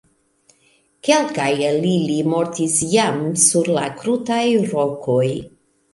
Kelkaj el ili mortis jam sur la krutaj rokoj.